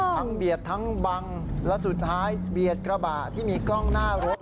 เบียดทั้งบังและสุดท้ายเบียดกระบะที่มีกล้องหน้ารถ